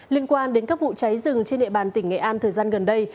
liên quan đến các vụ cháy rừng trên địa bàn tỉnh nghệ an thời gian gần đây